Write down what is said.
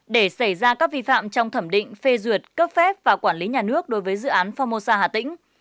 để xảy ra các vi phạm trong thẩm định phê duyệt cấp phép và quản lý nhà nước đối với dự án formosa hà tĩnh